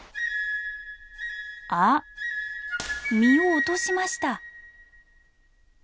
あっ実を落としました。